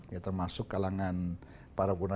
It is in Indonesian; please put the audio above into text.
ya termasuk kalangan para pengguna ibarat